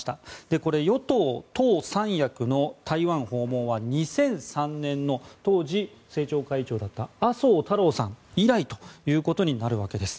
これ与党、党三役の台湾訪問は２００３年の当時、政調会長だった麻生太郎さん以来ということになるわけです。